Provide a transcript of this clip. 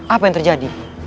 apa yang terjadi